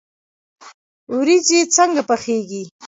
وریجې څنګه پخیږي؟